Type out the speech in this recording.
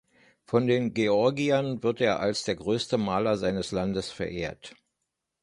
Von den Georgiern wird er als der größte Maler seines Landes verehrt.